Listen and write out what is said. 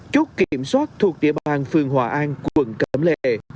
chút kiểm soát thuộc địa bàn phường hòa an quận cấm lệ